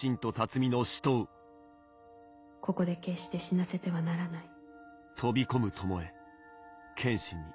「ここで決して死なせてはならない」。